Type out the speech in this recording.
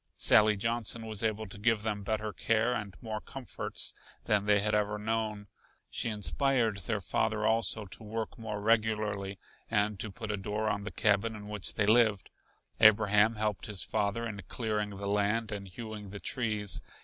Sally Johnson was able to give them better care and more comforts than they had ever known. She inspired their father also to work more regularly and to put a door on the cabin in which they lived. Abraham helped his father in clearing the land and hewing the trees.